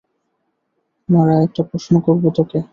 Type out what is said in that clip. মারা, একটা প্রশ্ন করবো তোকে।